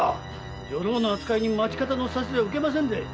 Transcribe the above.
女郎の扱いに町方の指図は受けませんぜ。